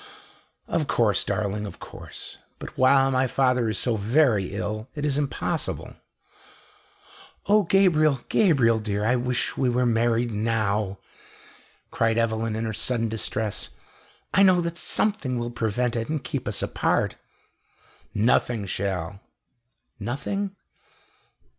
"Of course, darling of course. But while my father is so very ill, it is impossible " "O Gabriel, Gabriel, dear! I wish we were married now!" cried Evelyn in sudden distress. "I know that something will prevent it and keep us apart." "Nothing shall!" "Nothing?"